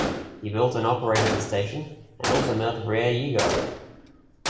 He built and operated the station, and also met Rhea Yeager.